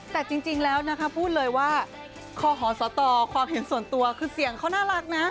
แต่จริงแล้วนะคะพูดเลยว่าคอหอสตความเห็นส่วนตัวคือเสียงเขาน่ารักนะ